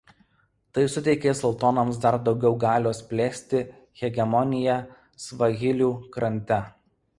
Tai suteikė sultonams dar daugiau galios plėsti hegemoniją Svahilių krante.